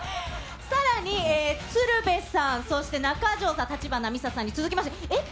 さらに、鶴瓶さん、そして中条さん、橘美沙さんに続きまして、えっ？